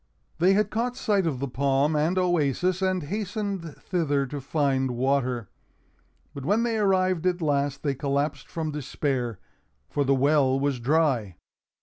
They had caught sight of the palm and oasis and hastened thither to find water. But when they arrived at last, they collapsed from despair, for the well was dry.